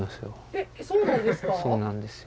えっそうなんですか？